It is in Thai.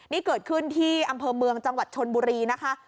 นี่เกิดขึ้นที่อำเภอเมืองจังหวัดชนบุรีนะคะ